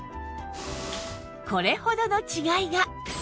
これほどの違いが！